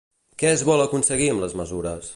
Què es vol aconseguir amb les mesures?